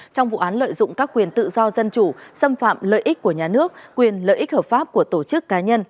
trong vụ án lợi dụng các quyền tự do dân chủ xâm phạm lợi ích của nhà nước quyền lợi ích hợp pháp của tổ chức cá nhân